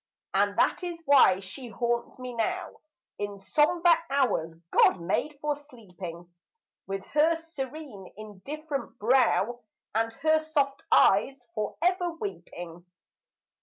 And that is why she haunts me now In sombre hours God made for sleeping, With her serene, indifferent brow, And her soft eyes for ever weeping.